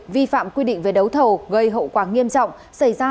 vi phạm quy định về đấu thầu gây hậu quả nghiêm trọng xảy ra